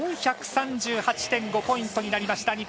４３８．５ポイントになりました。